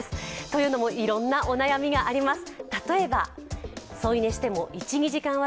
というのも、いろんなお悩みがあります。